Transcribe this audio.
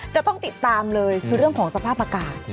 จะต้องติดตามเลยคือเรื่องของสภาพอากาศ